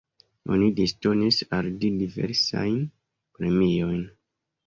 Oni disdonis al li diversajn premiojn.